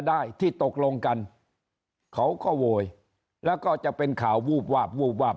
ได้ที่ตกลงกันเขาก็โวยแล้วก็จะเป็นข่าววูบวาบวูบวาบ